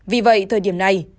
vì vậy thời điểm này